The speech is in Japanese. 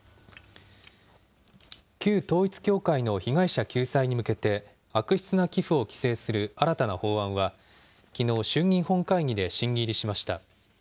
旧統一教会の被害者救済に向けて、悪質な寄付を規制する新たな法案は、きのう衆議院本会議で審議入りしました。